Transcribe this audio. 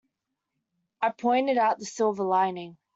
I pointed out the silver lining.